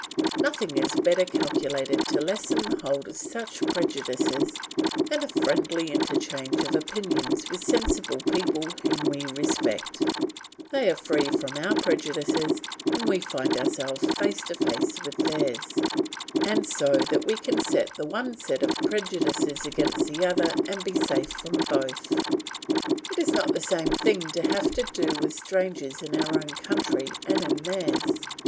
Nothing is better calculated to lessen the hold of such prejudices than a friendly interchange of opinions with sensible people whom we respect; they are free from our prejudices and we find ourselves face to face with theirs, and so we can set the one set of prejudices against the other and be safe from both. It is not the same thing to have to do with strangers in our own country and in theirs.